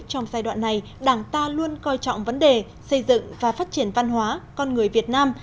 trong giai đoạn này đảng ta luôn coi trọng vấn đề xây dựng và phát triển văn hóa con người việt nam